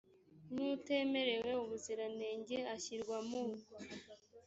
nk utemerewe ubuziranenge ashyirwa mu